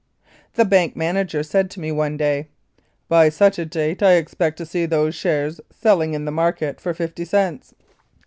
The bank manager said to me one day, "By such a date I expect to see those shares selling in the market for fifty cents."